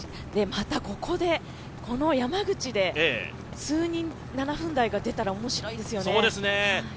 またここで、この山口で数人７分台が出たら面白いですよね。